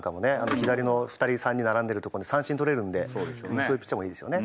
左の２人３人並んでるところに三振取れるんでそういうピッチャーもいいですよね。